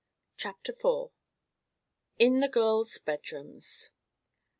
CHAPTER IV IN THE GIRLS' BEDROOMS.